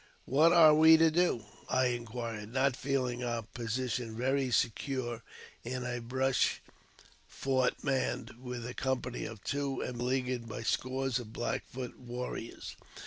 " What are we to do ?" I inquired, not feeling our position very secure in a brush fort manned with a company of two,, and beleaguered by scores of Black Foot warriors.